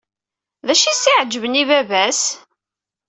D acu i s-iɛeǧben i baba-s?